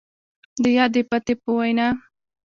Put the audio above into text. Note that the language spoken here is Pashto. د يادې پتې په وينا،